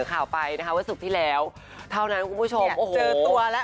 ข่าวไปนะคะเว้ยสุดที่แล้วเท่านั้นคุณผู้ชมตัวละ